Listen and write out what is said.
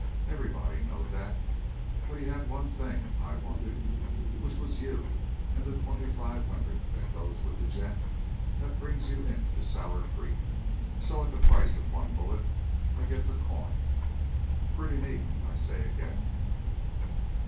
Everybody knowed that. But he had one thing I wanted which was you and the twenty five hundred that goes with the gent that brings you into Sour Creek. So, at the price of one bullet, I get the coin. Pretty neat, I say ag'in."